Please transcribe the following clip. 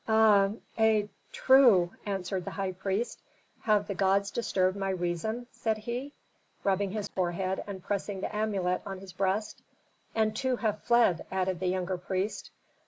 "A a true!" answered the high priest. "Have the gods disturbed my reason?" said he, rubbing his forehead and pressing the amulet on his breast. "And two have fled," added the younger priest.